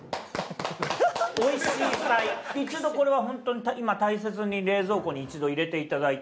一度これは本当に今大切に冷蔵庫に一度入れていただいて。